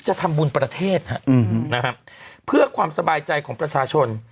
จะทำบุญประเทศฮะนะครับเพื่อความสบายใจของประชาชน